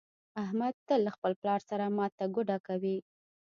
احمد تل له خپل پلار سره ماته ګوډه کوي.